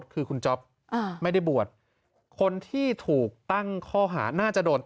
คือคุณไม่ได้บัวทคนที่ถูกตั้งข้อหาน่าจะโดนตั้ง